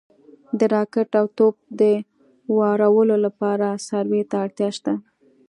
د راکټ او توپ د وارولو لپاره سروې ته اړتیا شته